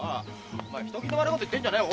お前人聞きの悪いこと言ってんじゃねえ。